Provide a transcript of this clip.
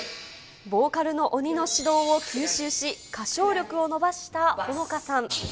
ボーカルの鬼の指導を吸収し、歌唱力を伸ばしたホノカさん。